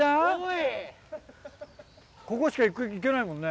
ここしか行けないもんね。